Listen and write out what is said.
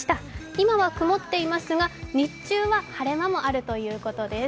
今は曇っていますが日中は晴れ間もあるということです。